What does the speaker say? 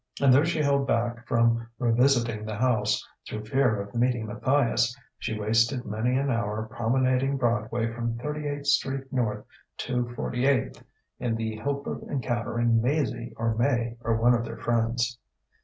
And though she held back from revisiting the house through fear of meeting Matthias, she wasted many an hour promenading Broadway from Thirty eighth Street north to Forty eighth, in the hope of encountering Maizie or May or one of their friends.